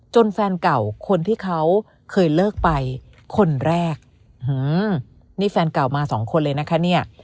แฟนเก่าคนที่เขาเคยเลิกไปคนแรกนี่แฟนเก่ามาสองคนเลยนะคะเนี่ย